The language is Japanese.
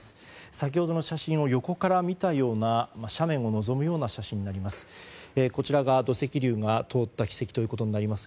先ほどの写真を横から見たような斜面を望むような写真になります。